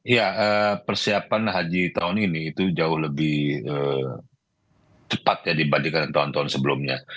ya persiapan haji tahun ini itu jauh lebih cepat ya dibandingkan tahun tahun sebelumnya